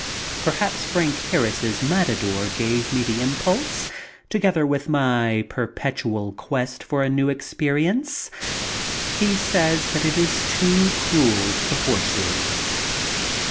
Perhaps Frank Harris's "Matador" gave me the impulse, together with my per petual quest far a new experience. He says it is too cruel to the horses.